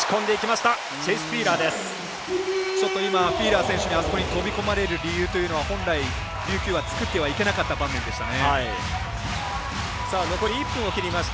ちょっと今フィーラー選手にあそこに飛び込まれる理由というのは本来、琉球は作ってはいけない場面でした。